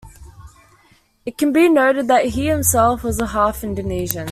It can be noted that he himself was half-Indonesian.